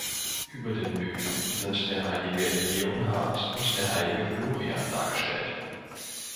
Über den Bögen sind der heilige Leonhard und der heilige Florian dargestellt.